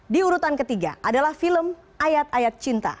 diurutan ketiga adalah film ayat ayat cinta